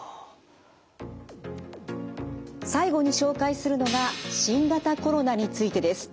最後に紹介するのが新型コロナについてです。